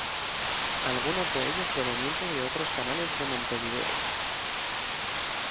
Algunos de ellos provenientes de otros canales de Montevideo.